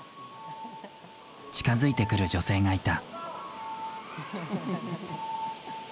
近づいてくる女性がいた。